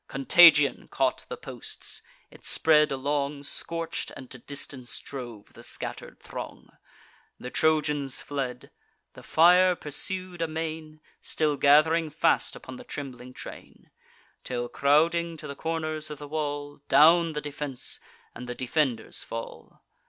Contagion caught the posts; it spread along, Scorch'd, and to distance drove the scatter'd throng. The Trojans fled; the fire pursued amain, Still gath'ring fast upon the trembling train; Till, crowding to the corners of the wall, Down the defence and the defenders fall.